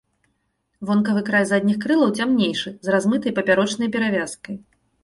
Вонкавы край задніх крылаў цямнейшы, з размытай папярочнай перавязкай.